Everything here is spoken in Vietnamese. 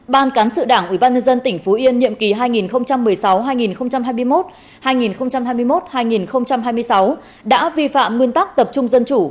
đảng đoàn hội đồng nhân dân tỉnh phú yên nhiệm ký hai nghìn một mươi sáu hai nghìn hai mươi một hai nghìn hai mươi một hai nghìn hai mươi sáu đã vi phạm nguyên tắc tập trung dân chủ